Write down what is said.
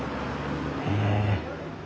へえ。